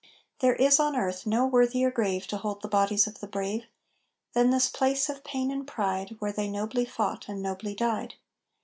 There is on earth no worthier grave To hold the bodies of the brave Than this place of pain and pride Where they nobly fought and nobly died.